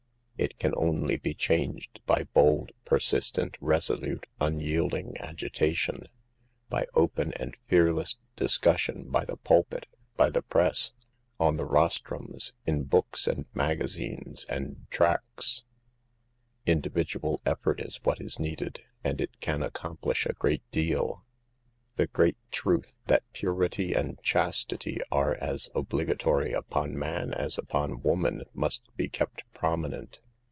It can only be changed by bold, persistent, resolute, unyield ing agitation ; by open and fearless discussion by the pulpit, by the press, on the rostrums, in books and magazines and tracts. Individual effort is what is needed ; and it can accomplish a great deal. The great truth, that purity and SOCIETY BUYING A SLAVE. chastity are as obligatory upon man as upon woman, must be kept prominent.